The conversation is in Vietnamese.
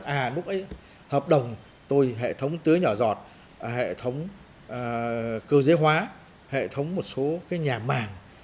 à lúc ấy hợp đồng tôi hệ thống tưới nhỏ giọt hệ thống cơ giới hóa hệ thống một số cái nhà màng